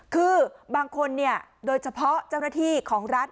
คือบางคนโดยเฉพาะเจ้าหน้าที่ของรัฐ